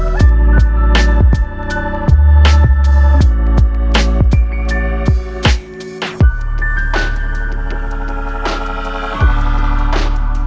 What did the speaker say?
saya temenin mama ke kamar ya